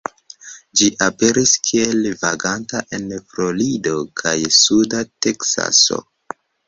Ĝi aperis kiel vaganta en Florido kaj suda Teksaso.